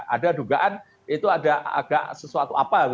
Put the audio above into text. ada dugaan itu ada agak sesuatu apa